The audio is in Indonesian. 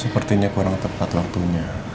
sepertinya kurang tepat waktunya